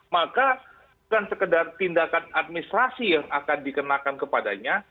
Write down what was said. maka bukan sekedar tindakan administrasi yang akan dikenakan kepadanya